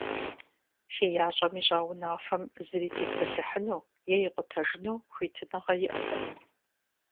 ХеящӀэм ищӀа унафэм зыри тепсэлъыхьыну е икъутэжыну хуитыныгъэ иӀэтэкъым.